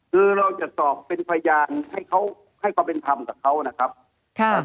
คือเราจะสอบเป็นพยานให้เขาให้ความเป็นธรรมกับเขานะครับ